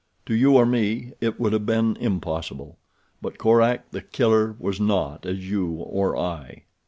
To you or me it would have been impossible; but Korak, The Killer, was not as you or I.